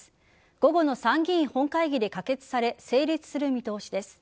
午後の参議院本会議で可決され成立する見通しです。